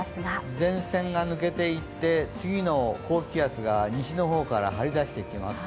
前線が抜けていって次の高気圧が西の方から張り出していきます。